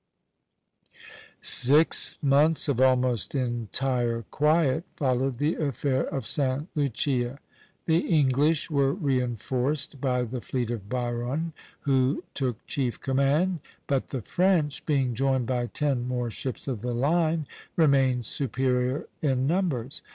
Six months of almost entire quiet followed the affair of Sta. Lucia. The English were reinforced by the fleet of Byron, who took chief command; but the French, being joined by ten more ships of the line, remained superior in numbers.